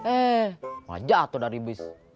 eh malah jatuh dari bis